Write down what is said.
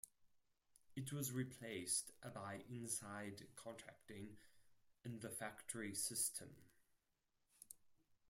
It was replaced by inside contracting and the factory system.